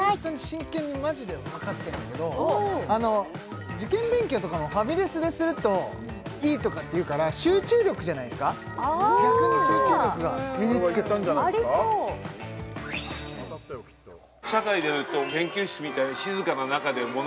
真剣にマジで分かってんだけど受験勉強とかもファミレスでするといいとかっていうから集中力じゃないですか逆に集中力が身につくありそうみんなちゃんとこっち向いてます